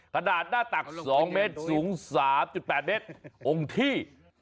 ขนาดหน้าตัก๒เมตรสูง๓๘เมตรองค์ที่